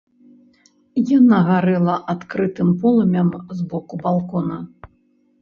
Яна гарэла адкрытым полымем з боку балкона.